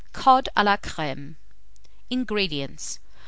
COD A LA CREME. 238. INGREDIENTS.